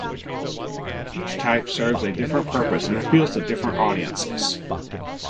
Each type serves a different purpose and appeals to different audiences.